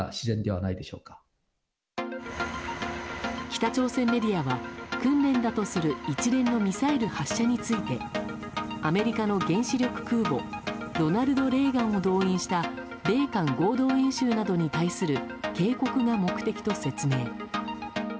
北朝鮮メディアは訓練だとする一連のミサイル発射についてアメリカの原子力空母「ロナルド・レーガン」を動員した、米韓合同演習に対する警告が目的と説明。